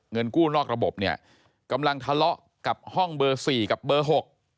เงินกู้นอกระบบเนี่ยกำลังทะเลาะกับห้องเบอร์สี่กับเบอร์หก